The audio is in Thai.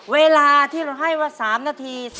เวลาที่เราให้ว่า๓นาที